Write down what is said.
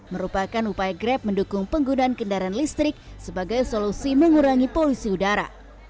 merupakan upaya grab mendukung penggunaan kendaraan listrik sebagai solusi mengurangi polusi udara